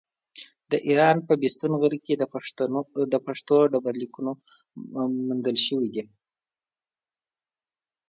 د ايران په بېستون غره کې د پښتو ډبرليکونه موندل شوي دي.